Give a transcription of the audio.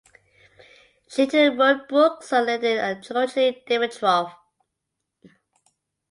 She later wrote books on Lenin and Georgi Dimitrov.